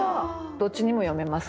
どっちにも読めますね。